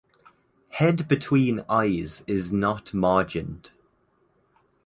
Head between eyes is not margined.